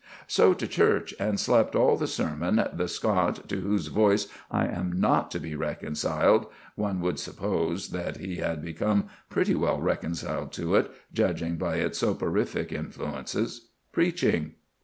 —"So to church, and slept all the sermon, the Scot, to whose voice I am not to be reconciled [one would suppose that he had become pretty well reconciled to it, judging by its soporific influences] preaching."